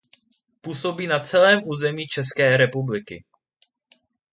Působí na celém území České republiky.